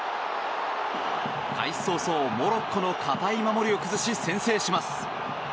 開始早々、モロッコの堅い守りを崩し先制します。